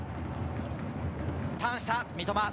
ターンした、三笘。